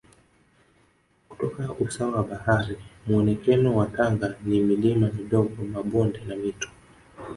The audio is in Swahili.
kutoka usawa wa bahari Muonekeno wa Tanga ni milima midogo mabonde na Mito